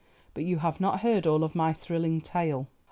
But you have not heard all my thrilling tale.